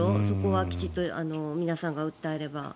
そこはきちんと皆さんが訴えれば。